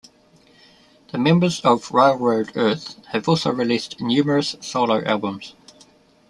The members of Railroad Earth have also released numerous solo albums.